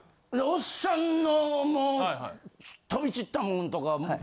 おっさんのもう飛び散ったもんとか。